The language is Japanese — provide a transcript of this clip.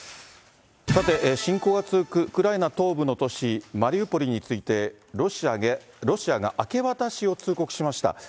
さて、侵攻が続くウクライナ東部の都市マリウポリについて、ロシアが明け渡しを通告しました。